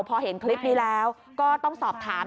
พอเห็นคลิปนี้แล้วก็ต้องสอบถาม